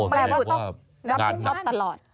แปลว่าต้องรับผิดชอบตลอด